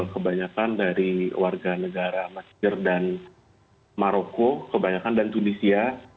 kebanyakan dari warga negara mesir dan maroko kebanyakan dan tunisia